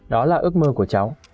đó là ước mơ của cháu